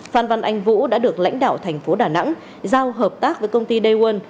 phan văn anh vũ đã được lãnh đạo tp đà nẵng giao hợp tác với công ty day one